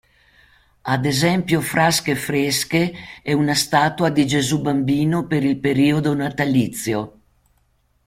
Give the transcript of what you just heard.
Ad esempio frasche fresche e una statua di Gesù Bambino per il periodo natalizio.